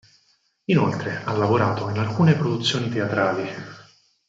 Inoltre ha lavorato in alcune produzioni teatrali.